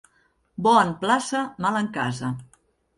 Bo en plaça, mal en casa.